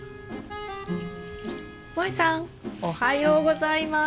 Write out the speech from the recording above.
もえさんおはようございます。